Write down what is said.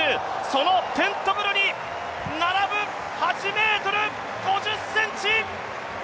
そのテントグルに並ぶ８ｍ５０ｃｍ！